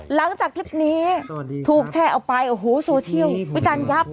หลังจากคลิปนี้ถูกแชร์ออกไปโอ้โหโซเชียลวิจารณ์ยับ